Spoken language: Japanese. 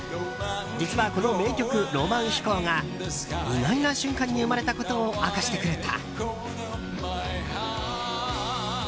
実は、この名曲「浪漫飛行」が意外な瞬間に生まれたことを明かしてくれた。